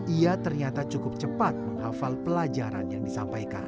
ia ternyata cukup cepat menghafal pelajaran yang disampaikan